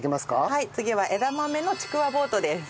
はい次は枝豆のちくわボートです。